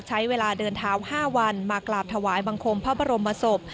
ใช้เวลาเดินเท้า๕วันมากราบถวายบังคมพระบรมศพ